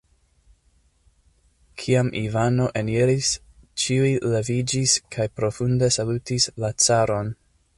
Kiam Ivano eniris, ĉiuj leviĝis kaj profunde salutis la caron.